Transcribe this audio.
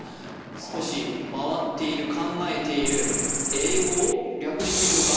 少し回っている考えている英語を訳しているのか？